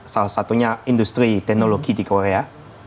salah satunya industri teknologi di korea